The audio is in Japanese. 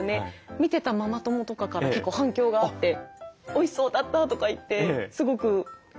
見てたママ友とかから結構反響があっておいしそうだったとか言ってすごく感想が来たりとかありましたね。